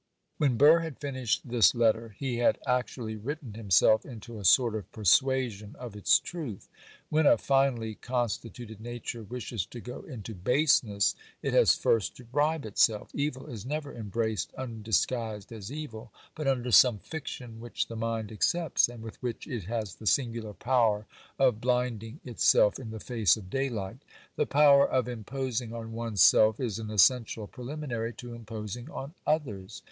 When Burr had finished this letter, he had actually written himself into a sort of persuasion of its truth. When a finely constituted nature wishes to go into baseness, it has first to bribe itself. Evil is never embraced undisguised as evil, but under some fiction which the mind accepts, and with which it has the singular power of blinding itself in the face of daylight. The power of imposing on one's self is an essential preliminary to imposing on others.